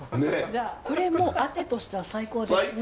これもあてとしては最高ですね。